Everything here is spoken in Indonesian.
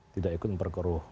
tidak ikut memperkeruh